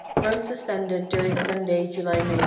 (Run suspended during Sunday, July 19.)